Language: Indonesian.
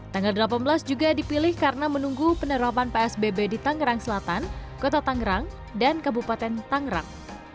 tanggal delapan belas juga dipilih karena menunggu penerapan psbb di tangerang selatan kota tangerang dan kabupaten tangerang